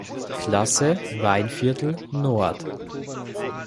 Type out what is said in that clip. Klasse Weinviertel Nord.